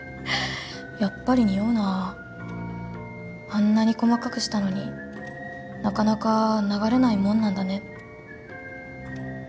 あんなに細かくしたのになかなか流れないもんなんだね。